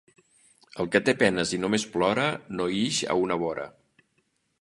El que té penes i només plora, no ix a una vora.